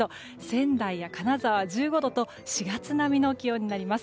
仙台や金沢、１５度と４月並みの気温になります。